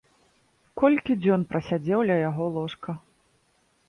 Колькі дзён прасядзеў ля яго ложка!